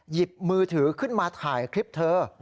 หยิบมือถือขึ้นมาถ่ายคลิปเธอ